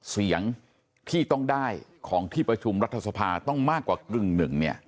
เสียงที่ต้องได้ของที่ประชุมรัฐสภาต้องมากกว่ากึ่งหนึ่งเนี่ย